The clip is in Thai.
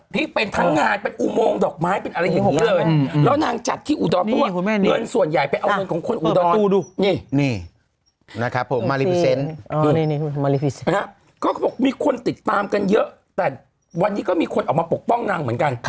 ที่เป็นทั้งงานเป็นอุโมงดอกไม้เป็นอะไรเห็นเกินแล้วนางจัดที่อุดรนต์เพราะว่าเงินส่วนใหญ่ไปเอาเงินของคนอุดรนต์